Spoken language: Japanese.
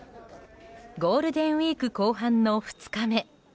ゴールデンウィーク後半の２日目。